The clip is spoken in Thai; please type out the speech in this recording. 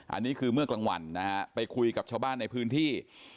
อันนี้คือเมื่อกลางวันนะฮะไปคุยกับชาวบ้านในพื้นที่